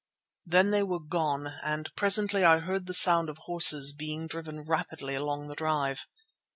Then they were gone and presently I heard the sound of horses being driven rapidly along the drive.